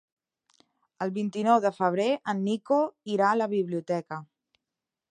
El vint-i-nou de febrer en Nico irà a la biblioteca.